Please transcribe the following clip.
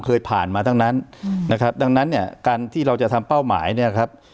เคยผ่านมาทั้งนั้นนะครับดังนั้นเนี่ยการที่เราจะทำเป้าหมายเนี่ยครับ